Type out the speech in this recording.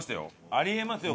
あり得ますよ。